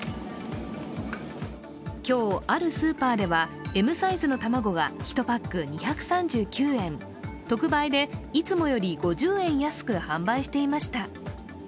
今日あるスーパーではＭサイズの卵が１パック２３９円、特売でいつもより５０円安く販売していました。